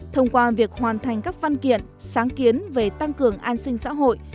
thông qua việc hoàn thành các văn kiện sáng kiến về tăng cường an sinh xã hội